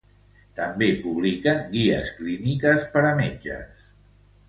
També publiquen guies clíniques per a metges.